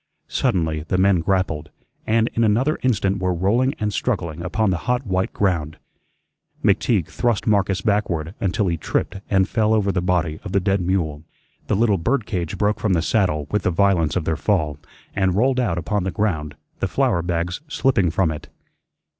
Suddenly the men grappled, and in another instant were rolling and struggling upon the hot white ground. McTeague thrust Marcus backward until he tripped and fell over the body of the dead mule. The little bird cage broke from the saddle with the violence of their fall, and rolled out upon the ground, the flour bags slipping from it.